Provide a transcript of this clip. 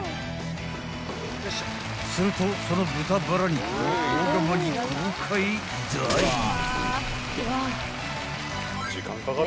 ［するとその豚バラ肉を大釜に豪快ダイブ］